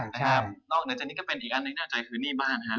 นอกจากนี้ก็เป็นอีกอันที่น่าใจคือนี่บ้านครับ